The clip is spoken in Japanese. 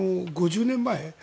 ５０年前